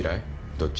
どっち？